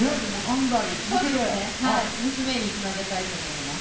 娘につなげたいと思います。